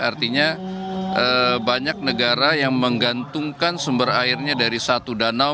artinya banyak negara yang menggantungkan sumber airnya dari satu danau